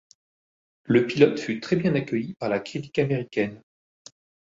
Le pilote fut très bien accueilli par la critique américaine.